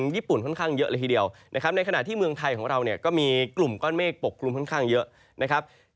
แต่แหละครับ